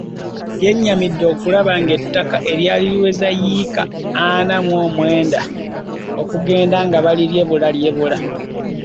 Yenyamidde okulaba ng'ettaka eryali liweza yiika ana mu mwenda okugenda nga balilyebulalyebula.